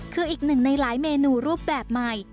คืออีกหนึ่งในหลายเมนูรูปแบบใหม่